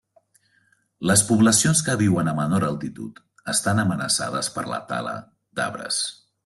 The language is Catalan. Les poblacions que viuen a menor altitud estan amenaçades per la tala d'arbres.